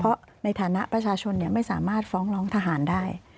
เพราะในฐานะประชาชนไม่สามารถฟ้องร้องทหารได้